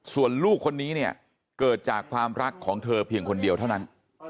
ส่วนลูกคนนี้เนี่ยเกิดจากความรักของเธอเพียงคนเดียวเท่านั้น